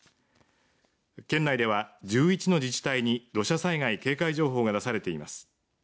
県内では１１の自治体に土砂災害警戒情報が出されています。